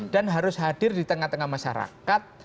dan harus hadir di tengah tengah masyarakat